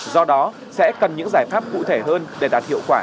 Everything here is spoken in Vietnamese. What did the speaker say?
do đó sẽ cần những giải pháp cụ thể hơn để đạt hiệu quả